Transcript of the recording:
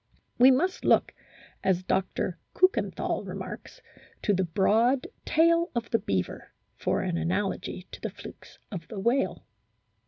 We must look, as Dr. Kukenthal remarks, to the broad tail of the beaver for an analogy to the flukes of the whale.